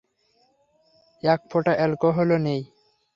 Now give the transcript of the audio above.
এক ফোঁটা অ্যালকোহলও নেই!